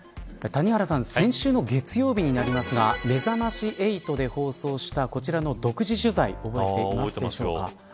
先週の月曜日になりますがめざまし８で放送したこちらの独自取材覚えていますでしょうか。